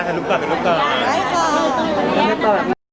ค่ะลุกต่อลุกต่อ